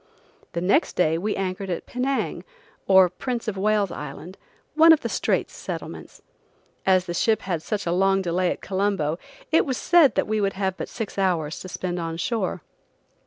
The next day we anchored at Penang, or Prince of Wales Island, one of the Straits Settlements. As the ship had such a long delay at Colombo, it was said that we would have but six hours to spend on shore.